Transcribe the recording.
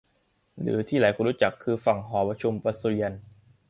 หรือที่หลายคนรู้จักคือฝั่งห้องประชุมพระสุริยัน